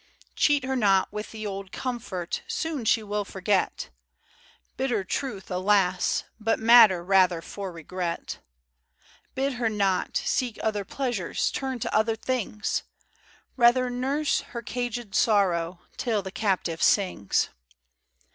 Cheat her not with the old comfort, " Soon she will forget," — Bitter truth, alas ! but matter Rather for regret; Bid her not "Seek other pleasures, Turn to other things :"— Rather nurse her caged sorrow Till the captive sings.